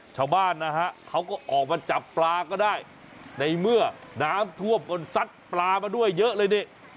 ชาวบ้านนะฮะเขาก็ออกมาจับปลาก็ได้ในเมื่อน้ำท่วมก็ซัดปลามาด้วยเยอะเลยนี่